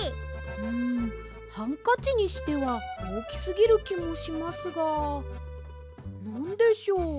んハンカチにしてはおおきすぎるきもしますがなんでしょう？